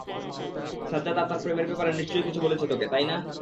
সাজ্জাদ আর তার প্রেমের ব্যাপারে নিশ্চয়ই কিছু বলেছে তোকে, তাই না?